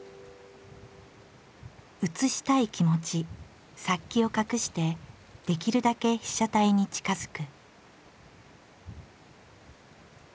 写したい気持ち「撮気」を隠してできるだけ被写体に近づく。